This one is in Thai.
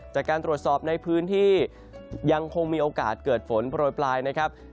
จากการตรวจสอบในพื้นที่ยังคงมีโอกาสเกิดฝนโปรยปลายนะครับ